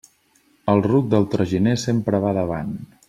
El ruc del traginer sempre va davant.